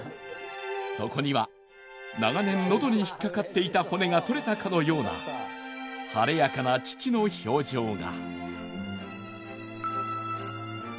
そこには長年喉に引っ掛かっていた骨が取れたかのような晴れやかな父の表情が。